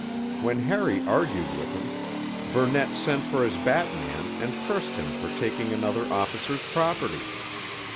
When Harry argued with him, Burnett sent for his batman and cursed him for taking another officer's property.